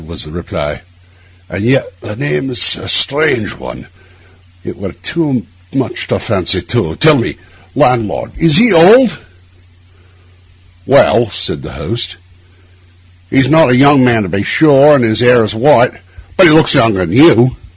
was the reply. 'And yet the name is a strange one; it were too much to fancy two. Tell me, landlord, is he old?' 'Well,' said the host, 'he's not a young man, to be sure, and his hair is white; but he looks younger than you.